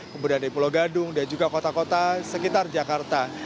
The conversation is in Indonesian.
kemudian dari pulau gadung dan juga kota kota sekitar jakarta